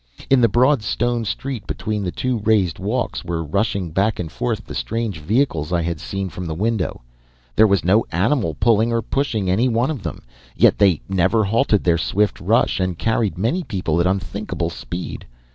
"In the broad stone street between the two raised walks were rushing back and forth the strange vehicles I had seen from the window. There was no animal pulling or pushing any one of them, yet they never halted their swift rush, and carried many people at unthinkable speed.